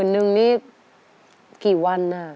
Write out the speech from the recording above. ๑๐๐๐นึงนี่กี่วันอ่ะ